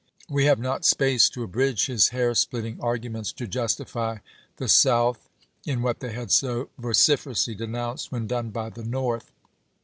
We have not space to abridge his hair splitting arguments to justify the South in what they had so vociferously denounced when done by the North.